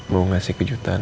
mau ngasih kejutan